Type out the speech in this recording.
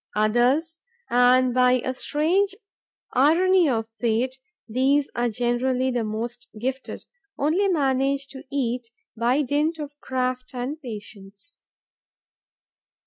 Others and, by a strange irony of fate, these are generally the most gifted only manage to eat by dint of craft and patience.